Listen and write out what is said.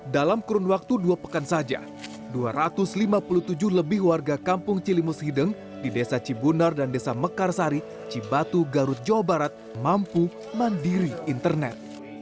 dalam kurun waktu dua pekan saja dua ratus lima puluh tujuh lebih warga kampung cilimus hideng di desa cibunar dan desa mekarsari cibatu garut jawa barat mampu mandiri internet